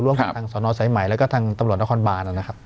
กับทางสนสายใหม่แล้วก็ทางตำรวจนครบานนะครับ